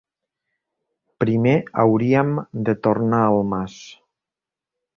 Primer hauríem de tornar al mas.